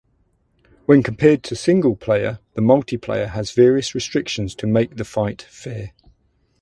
When compared to single-player, the multiplayer has various restrictions to make the fight fair.